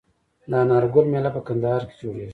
د انار ګل میله په کندهار کې جوړیږي.